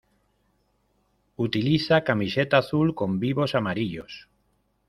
Utiliza camiseta azul con vivos amarillos.